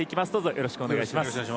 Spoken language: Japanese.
よろしくお願いします。